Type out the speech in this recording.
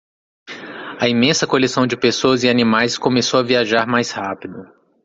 A imensa coleção de pessoas e animais começou a viajar mais rápido.